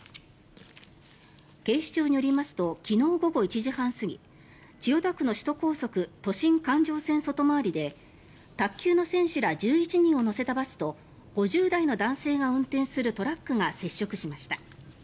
警視庁によりますと昨日午後１時半過ぎ千代田区の首都高速都心環状線外回りで卓球の選手ら１１人を乗せたバスと５０代の男性が運転するトラックが接触しました。